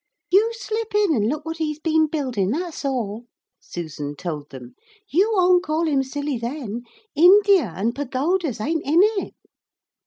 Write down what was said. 'You slip in and look what he's been building, that's all,' Susan told them. 'You won't call him silly then. India an' pagodas ain't in it.'